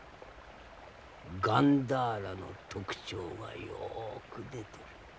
ガンダーラの特徴がよく出てる。